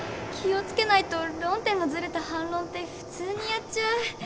気を付けないと論点のずれた反論って普通にやっちゃう。